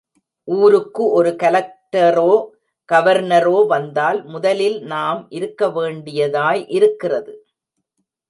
ஊருக்கு ஒரு கலக்டரோ கவர்னரோ வந்தால் முதலில் நாம் இருக்கவேண்டியதாய் இருக்கிறது.